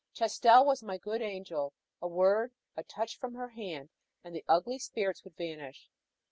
Chastel was my good angel; a word, a touch from her hand, and the ugly spirits would vanish.